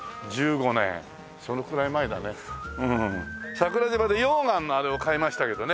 桜島で溶岩のあれを買いましたけどね。